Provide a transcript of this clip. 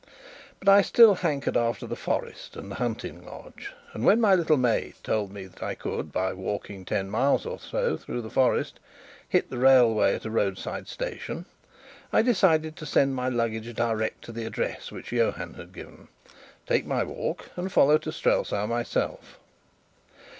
But I still hankered after the forest and the hunting lodge, and when my little maid told me that I could, by walking ten miles or so through the forest, hit the railway at a roadside station, I decided to send my luggage direct to the address which Johann had given, take my walk, and follow to Strelsau myself.